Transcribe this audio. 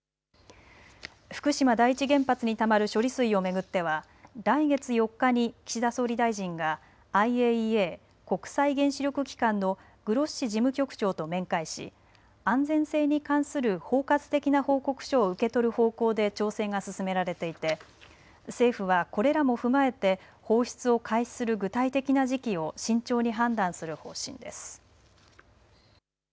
福島第一原発にたまる処理水を巡っては来月４日に岸田総理大臣がＩＡＥＡ・国際原子力機関のグロッシ事務局長と面会し安全性に関する包括的な報告書を受け取る方向で調整が進められていて政府はこれらも踏まえて放出を開始する具体的な時期を慎重に判断する方針です。